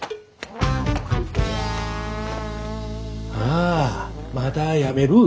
ああまた辞める？